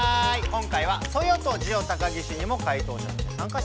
今回はソヨとジオ高岸にも回答者としてさんかしてもらいます。